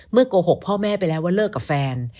โกหกพ่อแม่ไปแล้วว่าเลิกกับแฟน